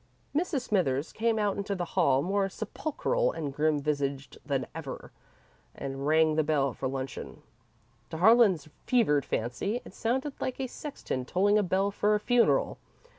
Mrs. Smithers came out into the hall, more sepulchral and grim visaged than ever, and rang the bell for luncheon. To Harlan's fevered fancy, it sounded like a sexton tolling a bell for a funeral.